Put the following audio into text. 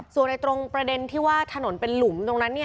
ส่วนตรงประเด็นที่ว่าถนนเป็นหลุมตรงนั้น